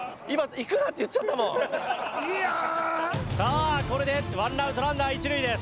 さあこれでワンアウトランナー一塁です。